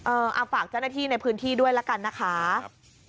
เอาฝากเจ้าหน้าที่ในพื้นที่ด้วยละกันนะคะครับ